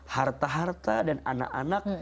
harta harta dan anak anak